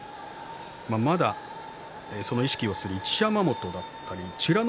まだ、その意識をする一山本や美ノ